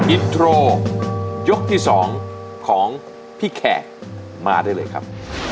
อินโทรยกที่๒ของพี่แขกมาได้เลยครับ